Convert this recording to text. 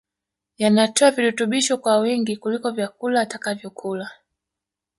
yanatoa virutubisho kwa wingi kuliko vyakula atakavyokula